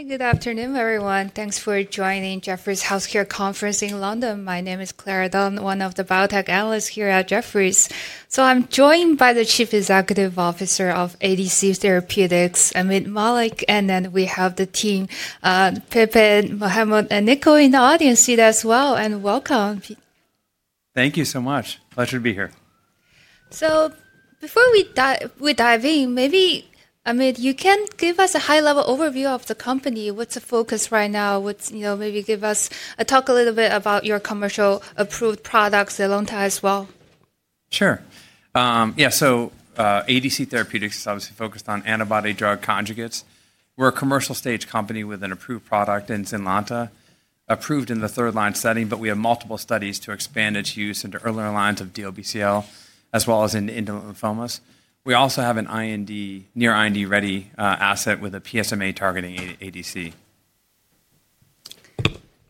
Hi, good afternoon, everyone. Thanks for joining Jefferies Healthcare Conference in London. My name is Clara Dunn, one of the biotech analysts here at Jefferies. I am joined by the Chief Executive Officer of ADC Therapeutics, Ameet Mallik, and then we have the team, Pippin, Mohamed, and Nicole in the audience here as well. Welcome. Thank you so much. Pleasure to be here. Before we dive in, maybe, Amit, you can give us a high-level overview of the company, what's the focus right now, what's, you know, maybe give us a talk a little bit about your commercial-approved products at ZYNLONTA as well. Sure. Yeah, so ADC Therapeutics is obviously focused on antibody-drug conjugates. We're a commercial-stage company with an approved product in ZYNLONTA, approved in the third-line setting, but we have multiple studies to expand its use into earlier lines of DLBCL, as well as in indolent lymphomas. We also have an IND, near IND-ready asset with a PSMA targeting ADC.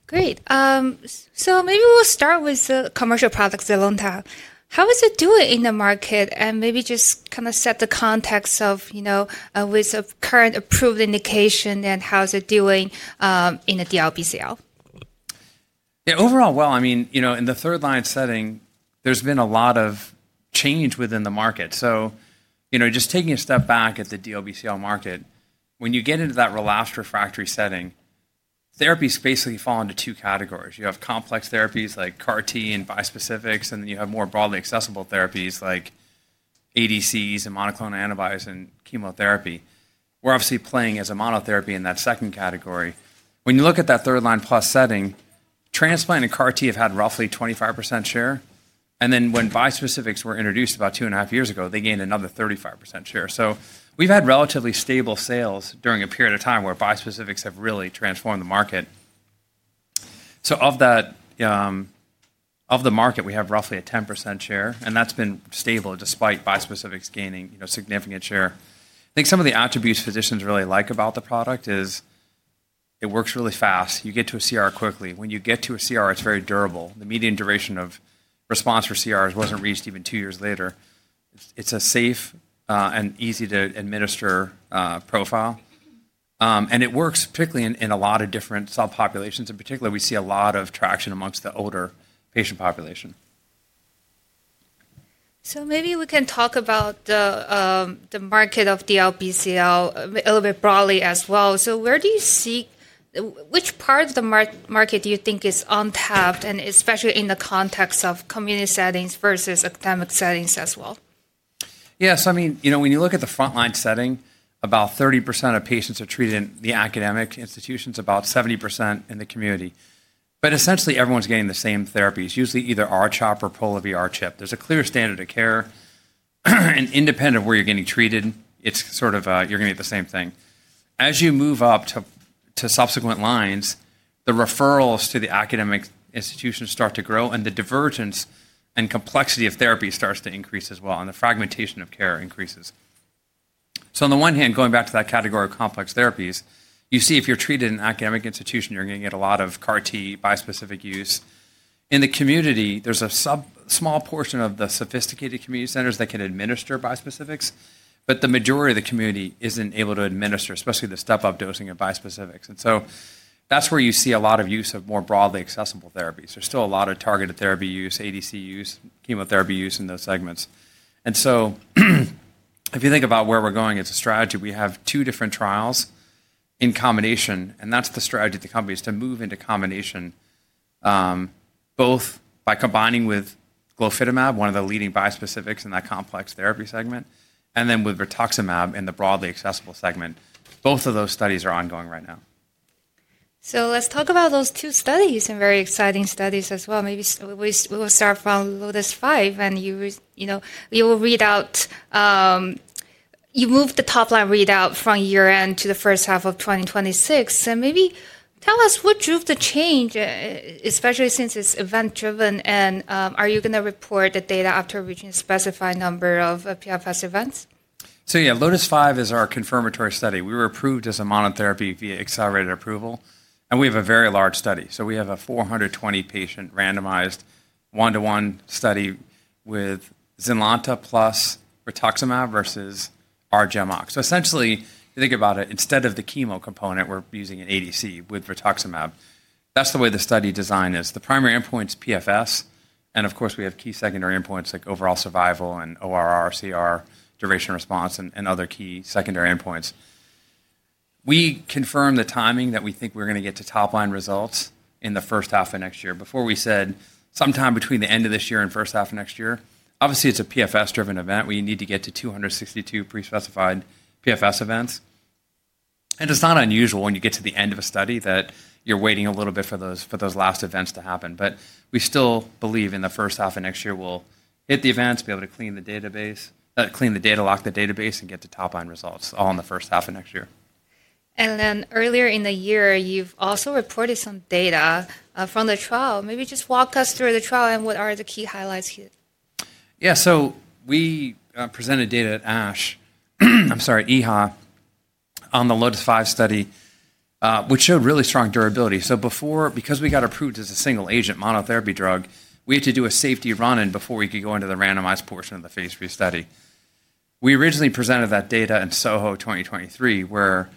Great. Maybe we'll start with the commercial products at ZYNLONTA. How is it doing in the market? Maybe just kind of set the context of, you know, with a current approved indication, and how's it doing in the DLBCL? Yeah, overall, I mean, you know, in the third-line setting, there's been a lot of change within the market. You know, just taking a step back at the DLBCL market, when you get into that relapse refractory setting, therapies basically fall into two categories. You have complex therapies like CAR T and bispecifics, and then you have more broadly accessible therapies like ADCs and monoclonal antibodies and chemotherapy. We're obviously playing as a monotherapy in that second category. When you look at that third-line plus setting, transplant and CAR T have had roughly a 25% share. When bispecifics were introduced about two and a half years ago, they gained another 35% share. We have had relatively stable sales during a period of time where bispecifics have really transformed the market. Of that, of the market, we have roughly a 10% share, and that's been stable despite bispecifics gaining, you know, significant share. I think some of the attributes physicians really like about the product is it works really fast. You get to a CR quickly. When you get to a CR, it's very durable. The median duration of response for CRs wasn't reached even two years later. It's a safe and easy-to-administer profile. It works particularly in a lot of different subpopulations. In particular, we see a lot of traction amongst the older patient population. Maybe we can talk about the market of DLBCL a little bit broadly as well. Where do you see which part of the market do you think is untapped, and especially in the context of community settings versus academic settings as well? Yeah, so I mean, you know, when you look at the front-line setting, about 30% of patients are treated in the academic institutions, about 70% in the community. Essentially, everyone's getting the same therapies. Usually either R-CHOP or Pola-R-CHP. There's a clear standard of care. Independent of where you're getting treated, it's sort of you're going to get the same thing. As you move up to subsequent lines, the referrals to the academic institutions start to grow, and the divergence and complexity of therapy starts to increase as well, and the fragmentation of care increases. On the one hand, going back to that category of complex therapies, you see if you're treated in an academic institution, you're going to get a lot of CAR T bispecific use. In the community, there's a small portion of the sophisticated community centers that can administer bispecifics, but the majority of the community isn't able to administer, especially the step-up dosing of bispecifics. That is where you see a lot of use of more broadly accessible therapies. There's still a lot of targeted therapy use, ADC use, chemotherapy use in those segments. If you think about where we're going as a strategy, we have two different trials in combination, and that's the strategy of the company is to move into combination, both by combining with glofitamab, one of the leading bispecifics in that complex therapy segment, and then with rituximab in the broadly accessible segment. Both of those studies are ongoing right now. Let's talk about those two studies and very exciting studies as well. Maybe we will start from LOTIS-5, and you, you know, you will read out, you move the top-line readout from year end to the first half of 2026. Maybe tell us what drove the change, especially since it's event-driven, and are you going to report the data after reaching a specified number of PFS events? Yeah, LOTIS-5 is our confirmatory study. We were approved as a monotherapy via accelerated approval, and we have a very large study. We have a 420-patient randomized one-to-one study with ZYNLONTA+rituximab versus R-GemOx. Essentially, if you think about it, instead of the chemo component, we're using an ADC with rituximab. That's the way the study design is. The primary endpoint is PFS, and of course, we have key secondary endpoints like overall survival and ORR, CR, duration of response, and other key secondary endpoints. We confirmed the timing that we think we're going to get to top-line results in the first half of next year. Before, we said sometime between the end of this year and first half of next year. Obviously, it's a PFS-driven event. We need to get to 262 prespecified PFS events. It is not unusual when you get to the end of a study that you're waiting a little bit for those last events to happen. We still believe in the first half of next year we'll hit the events, be able to clean the database, clean the data, lock the database, and get to top-line results all in the first half of next year. Earlier in the year, you've also reported some data from the trial. Maybe just walk us through the trial and what are the key highlights here? Yeah, we presented data at ASH, I'm sorry, EHA, on the LOTIS-5 study, which showed really strong durability. Before, because we got approved as a single-agent monotherapy drug, we had to do a safety run-in before we could go into the randomized portion of the phase three study. We originally presented that data in SOHO 2023, where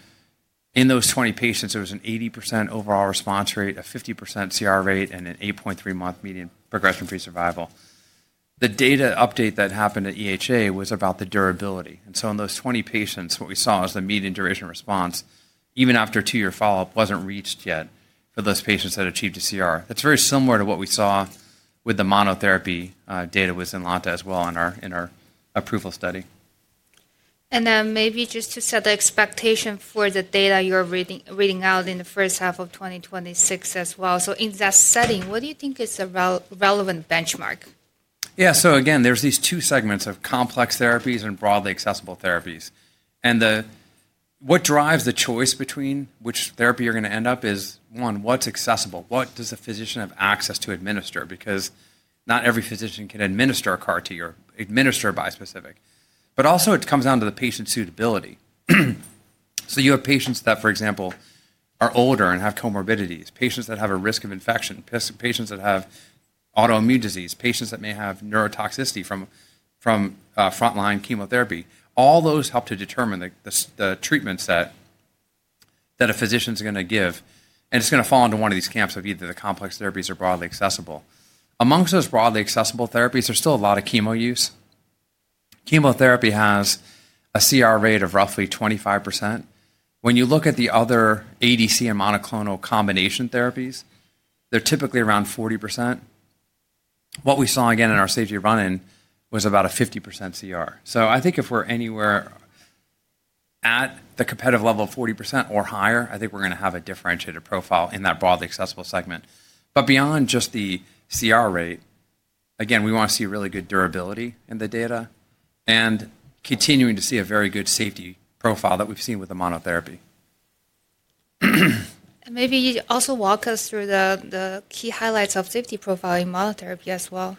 in those 20 patients, there was an 80% overall response rate, a 50% CR rate, and an 8.3-month median progression-free survival. The data update that happened at EHA was about the durability. In those 20 patients, what we saw is the median duration of response, even after a two-year follow-up, was not reached yet for those patients that achieved a CR. That is very similar to what we saw with the monotherapy data with ZYNLONTA as well in our approval study. Maybe just to set the expectation for the data you're reading out in the first half of 2026 as well. In that setting, what do you think is a relevant benchmark? Yeah, so again, there are these two segments of complex therapies and broadly accessible therapies. What drives the choice between which therapy you are going to end up with is, one, what is accessible? What does a physician have access to administer? Because not every physician can administer a CAR T or administer a bispecific. It also comes down to the patient's suitability. You have patients that, for example, are older and have comorbidities, patients that have a risk of infection, patients that have autoimmune disease, patients that may have neurotoxicity from front-line chemotherapy. All those help to determine the treatment set that a physician is going to give. It is going to fall into one of these camps of either the complex therapies or broadly accessible. Amongst those broadly accessible therapies, there is still a lot of chemo use. Chemotherapy has a CR rate of roughly 25%. When you look at the other ADC and monoclonal combination therapies, they're typically around 40%. What we saw again in our safety run-in was about a 50% CR. I think if we're anywhere at the competitive level of 40% or higher, I think we're going to have a differentiated profile in that broadly accessible segment. Beyond just the CR rate, again, we want to see really good durability in the data and continuing to see a very good safety profile that we've seen with the monotherapy. Maybe you also walk us through the key highlights of safety profile in monotherapy as well.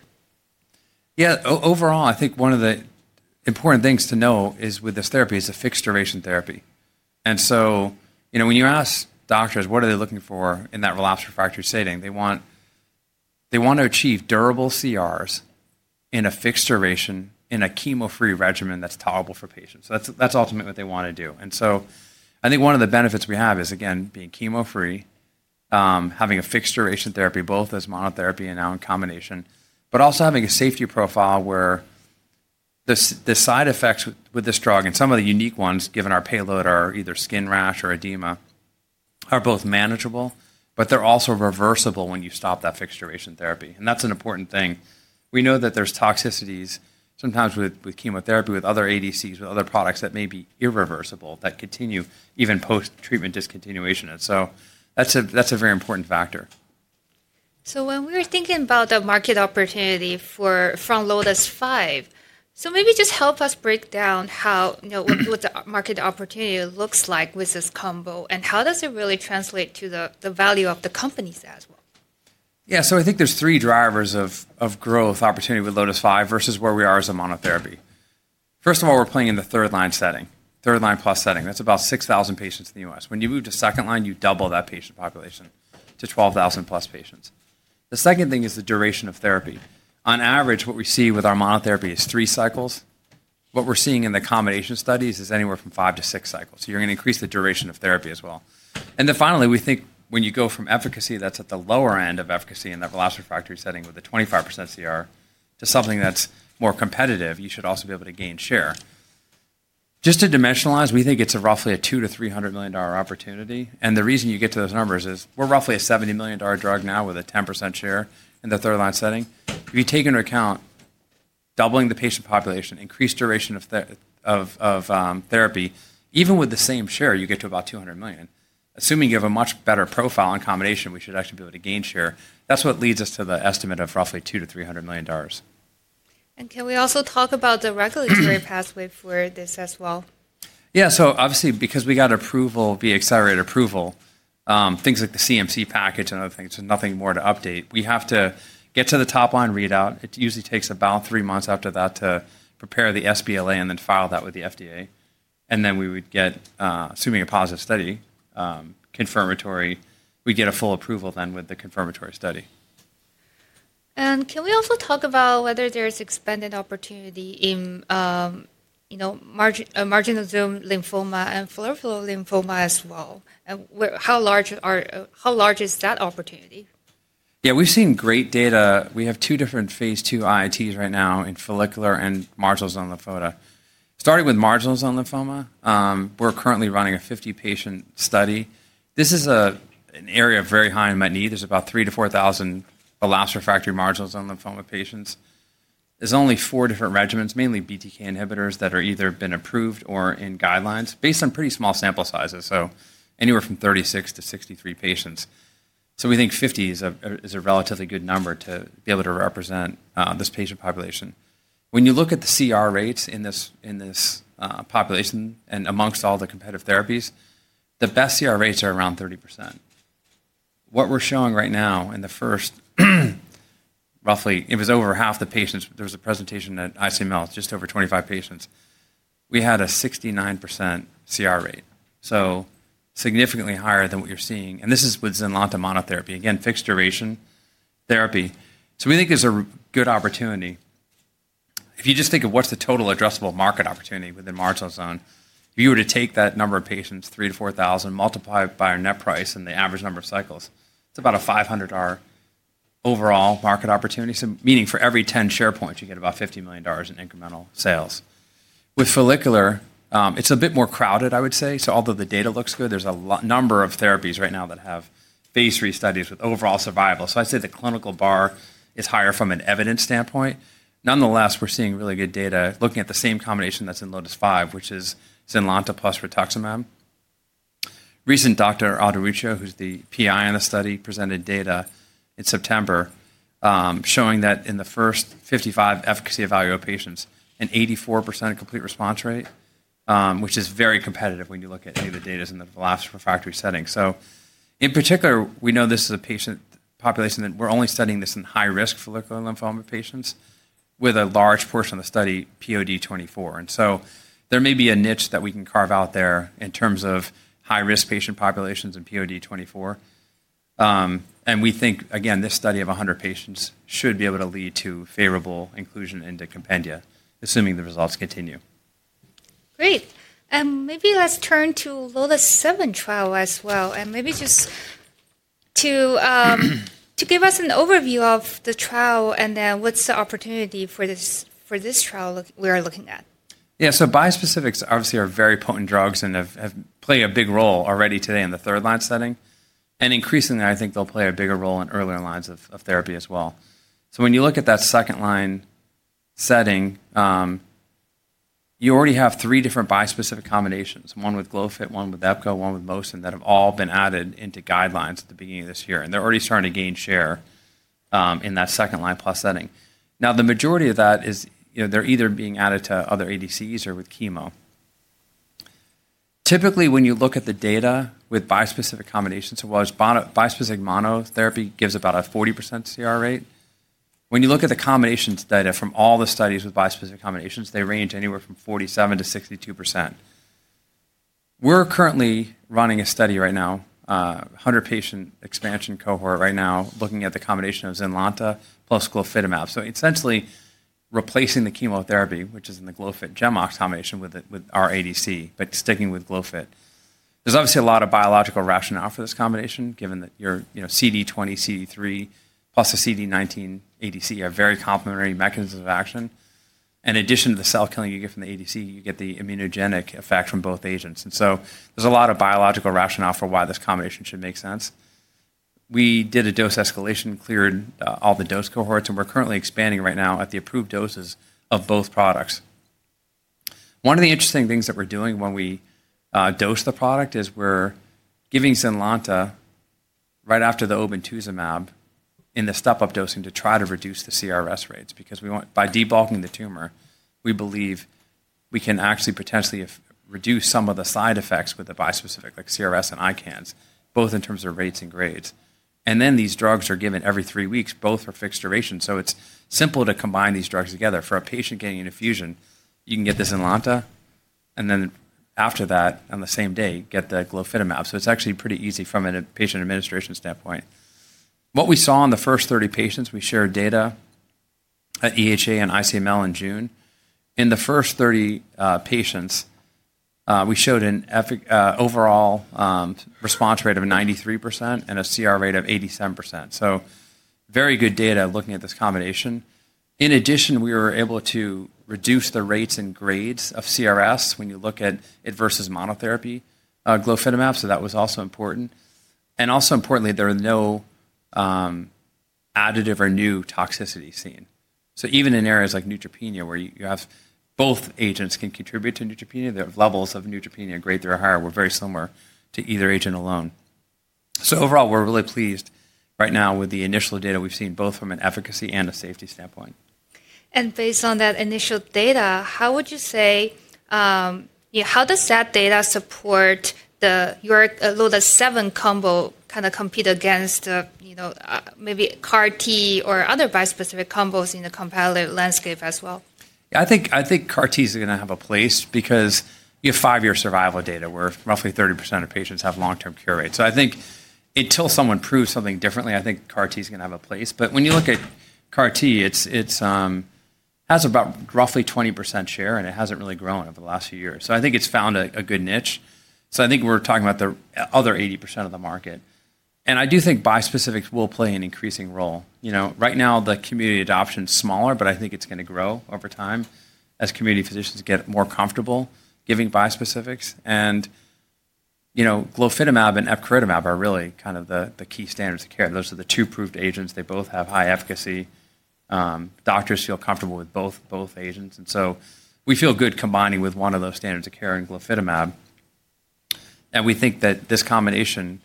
Yeah, overall, I think one of the important things to know is with this therapy is a fixed duration therapy. And, you know, when you ask doctors, what are they looking for in that relapse refractory setting? They want to achieve durable CRs in a fixed duration in a chemo-free regimen that's tolerable for patients. That's ultimately what they want to do. I think one of the benefits we have is, again, being chemo-free, having a fixed duration therapy, both as monotherapy and now in combination, but also having a safety profile where the side effects with this drug, and some of the unique ones given our payload, are either skin rash or edema, are both manageable, but they're also reversible when you stop that fixed duration therapy. That's an important thing. We know that there's toxicities sometimes with chemotherapy, with other ADCs, with other products that may be irreversible, that continue even post-treatment discontinuation. That is a very important factor. When we were thinking about the market opportunity for LOTIS-5, maybe just help us break down how the market opportunity looks like with this combo, and how does it really translate to the value of the companies as well? Yeah, so I think there's three drivers of growth opportunity with LOTIS-5 versus where we are as a monotherapy. First of all, we're playing in the third-line setting, third-line plus setting. That's about 6,000 patients in the US. When you move to second line, you double that patient population to 12,000 plus patients. The second thing is the duration of therapy. On average, what we see with our monotherapy is three cycles. What we're seeing in the combination studies is anywhere from five to six cycles. You're going to increase the duration of therapy as well. Finally, we think when you go from efficacy that's at the lower end of efficacy in that relapsed refractory setting with a 25% CR to something that's more competitive, you should also be able to gain share. Just to dimensionalize, we think it's roughly a $200 million-$300 million opportunity. The reason you get to those numbers is we're roughly a $70 million drug now with a 10% share in the third-line setting. If you take into account doubling the patient population, increased duration of therapy, even with the same share, you get to about $200 million. Assuming you have a much better profile in combination, we should actually be able to gain share. That's what leads us to the estimate of roughly $200 million-$300 million. Can we also talk about the regulatory pathway for this as well? Yeah, so obviously, because we got approval via accelerated approval, things like the CMC package and other things, there's nothing more to update. We have to get to the top-line readout. It usually takes about three months after that to prepare the sBLA and then file that with the FDA. We would get, assuming a positive study, confirmatory, we'd get a full approval then with the confirmatory study. Can we also talk about whether there's expanded opportunity in, you know, marginal zone lymphoma and follicular lymphoma as well? How large is that opportunity? Yeah, we've seen great data. We have two different phase two IITs right now in follicular and marginal zone lymphoma. Starting with marginal zone lymphoma, we're currently running a 50-patient study. This is an area of very high and met need. There's about 3,000-4,000 relapsed refractory marginal zone lymphoma patients. There's only four different regimens, mainly BTK inhibitors that have either been approved or in guidelines, based on pretty small sample sizes, so anywhere from 36-63 patients. We think 50 is a relatively good number to be able to represent this patient population. When you look at the CR rates in this population and amongst all the competitive therapies, the best CR rates are around 30%. What we're showing right now in the first, roughly, it was over half the patients. There was a presentation at ICML, just over 25 patients. We had a 69% CR rate, so significantly higher than what you're seeing. This is with ZYNLONTA monotherapy, again, fixed duration therapy. We think there's a good opportunity. If you just think of what's the total addressable market opportunity within marginal zone, if you were to take that number of patients, 3,000-4,000, multiply it by our net price and the average number of cycles, it's about a $500 million overall market opportunity. Meaning for every 10 share points, you get about $50 million in incremental sales. With follicular, it's a bit more crowded, I would say. Although the data looks good, there's a number of therapies right now that have phase three studies with overall survival. I'd say the clinical bar is higher from an evidence standpoint. Nonetheless, we're seeing really good data looking at the same combination that's in LOTIS-5, which is ZYNLONTA plus rituximab. Recent Dr. Arducho, who's the PI on the study, presented data in September showing that in the first 55 efficacy evaluation patients, an 84% complete response rate, which is very competitive when you look at the data in the relapsed refractory setting. In particular, we know this is a patient population that we're only studying this in high-risk follicular lymphoma patients with a large portion of the study POD24. There may be a niche that we can carve out there in terms of high-risk patient populations and POD24. We think, again, this study of 100 patients should be able to lead to favorable inclusion into Compendia, assuming the results continue. Great. Maybe let's turn to LOTIS-7 trial as well. Maybe just give us an overview of the trial and then what's the opportunity for this trial we are looking at. Yeah, so bispecifics obviously are very potent drugs and have played a big role already today in the third-line setting. Increasingly, I think they'll play a bigger role in earlier lines of therapy as well. When you look at that second-line setting, you already have three different bispecific combinations, one with glofitamab, one with ePCOritamab, one with mosunetuzumab that have all been added into guidelines at the beginning of this year. They're already starting to gain share in that second-line plus setting. Now, the majority of that is, you know, they're either being added to other ADCs or with chemo. Typically, when you look at the data with bispecific combinations, while bispecific monotherapy gives about a 40% CR rate, when you look at the combinations data from all the studies with bispecific combinations, they range anywhere from 47% to 62%. We're currently running a study right now, a 100-patient expansion cohort right now, looking at the combination of ZYNLONTA plus glofitamab. Essentially replacing the chemotherapy, which is in the glofitamab-GemOx combination, with our ADC, but sticking with glofitamab. There's obviously a lot of biological rationale for this combination, given that your CD20, CD3, plus the CD19 ADC are very complementary mechanisms of action. In addition to the cell killing you get from the ADC, you get the immunogenic effect from both agents. There is a lot of biological rationale for why this combination should make sense. We did a dose escalation, cleared all the dose cohorts, and we're currently expanding right now at the approved doses of both products. One of the interesting things that we're doing when we dose the product is we're giving ZYNLONTA right after the obinutuzumab in the step-up dosing to try to reduce the CRS rates. Because by debulking the tumor, we believe we can actually potentially reduce some of the side effects with the bispecific, like CRS and ICANS, both in terms of rates and grades. These drugs are given every three weeks, both for fixed duration. It is simple to combine these drugs together. For a patient getting an infusion, you can get the ZYNLONTA, and then after that, on the same day, get the Glofitamab. It is actually pretty easy from a patient administration standpoint. What we saw in the first 30 patients, we shared data at EHA and ICML in June. In the first 30 patients, we showed an overall response rate of 93% and a CR rate of 87%. Very good data looking at this combination. In addition, we were able to reduce the rates and grades of CRS when you look at it versus monotherapy, glofitamab, so that was also important. Also importantly, there are no additive or new toxicities seen. Even in areas like neutropenia, where you have both agents can contribute to neutropenia, the levels of neutropenia grade three or higher were very similar to either agent alone. Overall, we're really pleased right now with the initial data we've seen, both from an efficacy and a safety standpoint. Based on that initial data, how would you say, how does that data support your LOTIS-7 combo kind of compete against, you know, maybe CAR T or other bispecific combos in the complicated landscape as well? Yeah, I think CAR T is going to have a place because you have five-year survival data where roughly 30% of patients have long-term cure rates. I think until someone proves something differently, I think CAR T is going to have a place. When you look at CAR T, it has about roughly 20% share, and it has not really grown over the last few years. I think it has found a good niche. I think we are talking about the other 80% of the market. I do think bispecifics will play an increasing role. You know, right now, the community adoption is smaller, but I think it is going to grow over time as community physicians get more comfortable giving bispecifics. You know, Glofitamab and ePCOritamab are really kind of the key standards of care. Those are the two approved agents. They both have high efficacy. Doctors feel comfortable with both agents. We feel good combining with one of those standards of care and glofitamab. We think that this combination,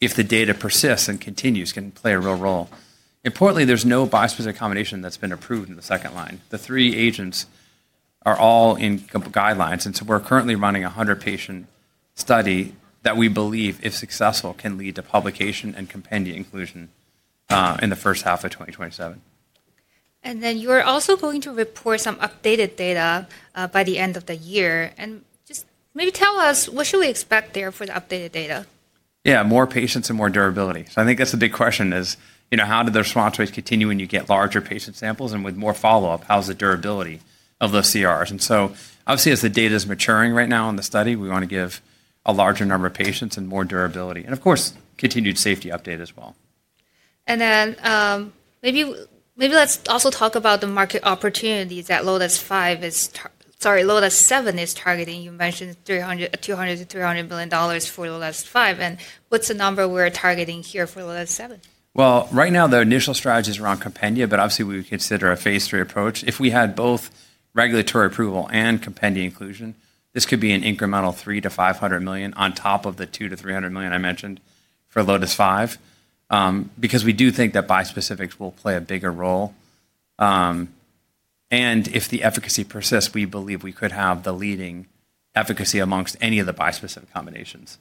if the data persists and continues, can play a real role. Importantly, there is no bispecific combination that has been approved in the second line. The three agents are all in guidelines. We are currently running a 100-patient study that we believe, if successful, can lead to publication and Compendia inclusion in the first half of 2027. You are also going to report some updated data by the end of the year. Just maybe tell us, what should we expect there for the updated data? Yeah, more patients and more durability. I think that's the big question is, you know, how do the response rates continue when you get larger patient samples? With more follow-up, how's the durability of the CRs? Obviously, as the data is maturing right now in the study, we want to give a larger number of patients and more durability. Of course, continued safety update as well. Maybe let's also talk about the market opportunities that LOTIS-5 is, sorry, LOTIS-7 is targeting. You mentioned $200 million-$300 million for LOTIS-6. What's the number we're targeting here for LOTIS-7? Right now, the initial strategy is around Compendia, but obviously, we would consider a phase three approach. If we had both regulatory approval and Compendia inclusion, this could be an incremental $300 million-$500 million on top of the $200 million-$300 million I mentioned for LOTIS-5, because we do think that bispecifics will play a bigger role. If the efficacy persists, we believe we could have the leading efficacy amongst any of the bispecific combinations.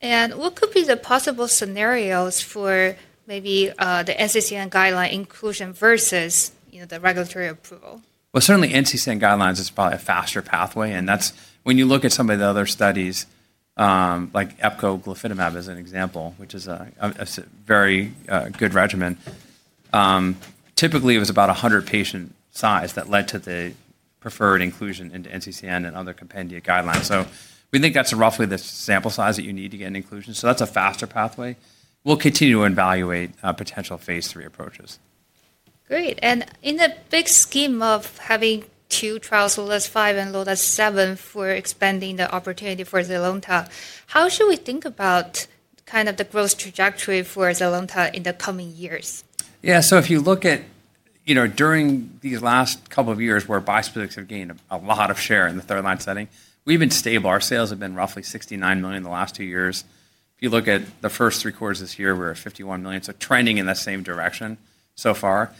What could be the possible scenarios for maybe the NCCN guideline inclusion versus the regulatory approval? Certainly, NCCN guidelines is probably a faster pathway. When you look at some of the other studies, like ePCO, glofitamab as an example, which is a very good regimen, typically, it was about a 100-patient size that led to the preferred inclusion into NCCN and other Compendia guidelines. We think that's roughly the sample size that you need to get an inclusion. That's a faster pathway. We'll continue to evaluate potential phase three approaches. Great. In the big scheme of having two trials, LOTIS-5 and LOTIS-7, for expanding the opportunity for ZYNLONTA, how should we think about kind of the growth trajectory for ZYNLONTA in the coming years? Yeah, so if you look at, you know, during these last couple of years where bispecifics have gained a lot of share in the third-line setting, we've been stable. Our sales have been roughly $69 million in the last two years. If you look at the first three quarters of this year, we're at $51 million. Trending in that same direction so far.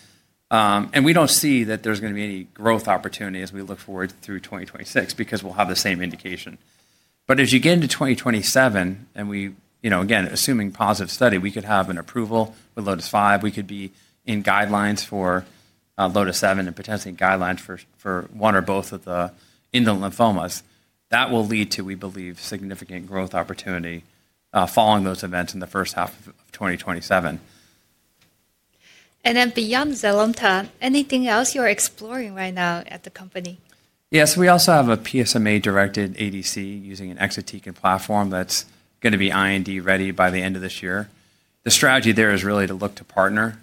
We don't see that there's going to be any growth opportunity as we look forward through 2026 because we'll have the same indication. As you get into 2027, and we, you know, again, assuming positive study, we could have an approval with LOTIS-5, we could be in guidelines for LOTIS-7 and potentially guidelines for one or both of the indolent lymphomas. That will lead to, we believe, significant growth opportunity following those events in the first half of 2027. Beyond ZYNLONTA, anything else you're exploring right now at the company? Yes, we also have a PSMA-directed ADC using an exotic platform that's going to be IND-ready by the end of this year. The strategy there is really to look to partner.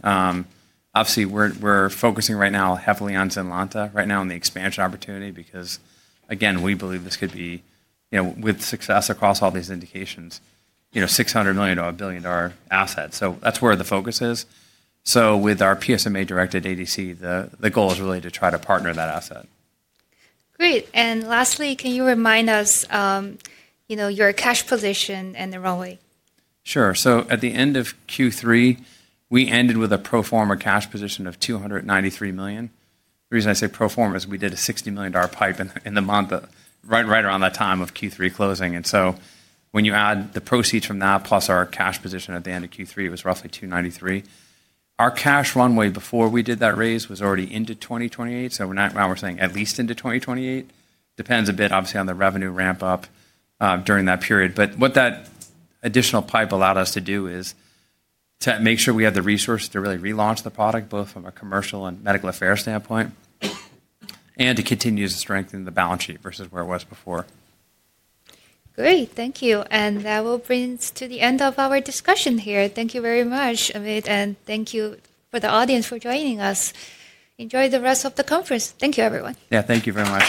Obviously, we're focusing right now heavily on ZYNLONTA right now in the expansion opportunity because, again, we believe this could be, you know, with success across all these indications, you know, $600 million to $1 billion asset. That's where the focus is. With our PSMA-directed ADC, the goal is really to try to partner that asset. Great. Lastly, can you remind us, you know, your cash position and the runway? Sure. At the end of Q3, we ended with a pro forma cash position of $293 million. The reason I say pro forma is we did a $60 million pipe in the month, right around that time of Q3 closing. When you add the proceeds from that plus our cash position at the end of Q3, it was roughly $293 million. Our cash runway before we did that raise was already into 2028. Right now we're saying at least into 2028. Depends a bit, obviously, on the revenue ramp-up during that period. What that additional pipe allowed us to do is to make sure we had the resources to really relaunch the product, both from a commercial and medical affairs standpoint, and to continue to strengthen the balance sheet versus where it was before. Great. Thank you. That will bring us to the end of our discussion here. Thank you very much, Ameet, and thank you to the audience for joining us. Enjoy the rest of the conference. Thank you, everyone. Yeah, thank you very much.